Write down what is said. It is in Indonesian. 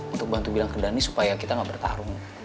untuk bantu bilang ke dhani supaya kita gak bertarung